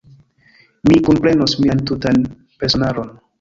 Mi kunprenos mian tutan personaron.